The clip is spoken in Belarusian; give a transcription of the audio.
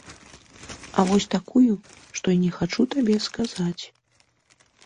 А вось такую, што і не хачу табе сказаць!